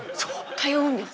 通うんです。